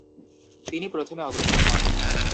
তিনি প্রথমে অগ্রসর হন।